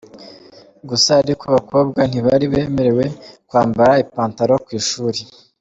Gusa ariko abakobwa ntibari bemerewe kwambara ipantalo ku ishuri.